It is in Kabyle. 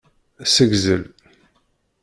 Ssegzel.